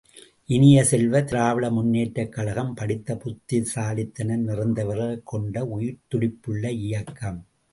இனிய செல்வ, திராவிட முன்னேற்றக் கழகம் படித்த புத்திசாலித்தனம் நிறைந்தவர்களைக் கொண்ட உயிர்த்துடிப்புள்ள இயக்கம்.